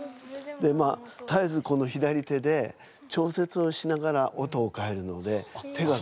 でまあたえずこの左手で調節をしながら音を変えるので手が。